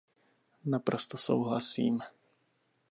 Naprosto souhlasím.